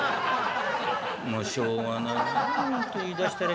もうしょうがないわね